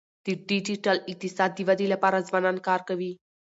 د ډیجیټل اقتصاد د ودي لپاره ځوانان کار کوي.